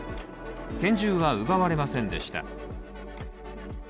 拳銃は奪われませんでした。